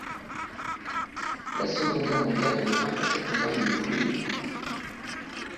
La Seconde Guerre mondiale met fin à cette campagne de fouilles.